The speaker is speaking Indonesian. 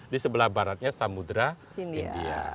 di sebelah baratnya samudera india